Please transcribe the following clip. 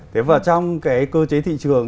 thế vào trong cái cơ chế thị trường